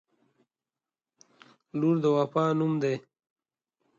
• لور د وفا نوم دی.